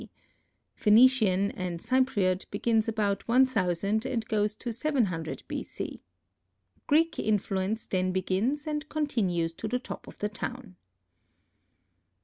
C. Phœnician and Cypriote begins about 1000 and goes to 700 B. C. Greek influence then begins and continues to the top of the town."